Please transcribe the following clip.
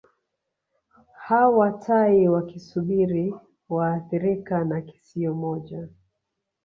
Hawa tai wakisubiri waathirika na kisio moja